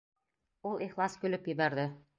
Ул ихлас көлөп ебәрҙе.